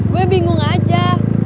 gue bingung aja